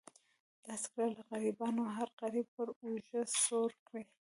داسې کړه له غریبانو هر غریب پر اوږه سور کړي.